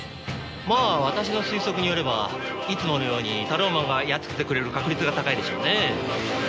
まあ私の推測によればいつものようにタローマンがやっつけてくれる確率が高いでしょうね。